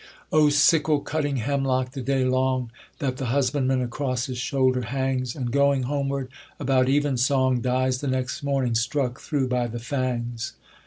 O sickle cutting hemlock the day long! That the husbandman across his shoulder hangs, And, going homeward about evensong, Dies the next morning, struck through by the fangs!